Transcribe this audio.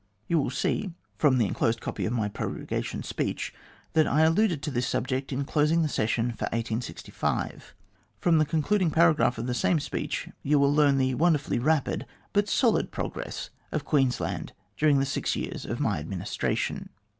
You will see from the enclosed copy of my prorogation speech that I alluded to this subject in closing the session for 1865. From the concluding paragraph of the same speech you will learn the wonderfully rapid, but solid progress of Queensland during the six years of my administration."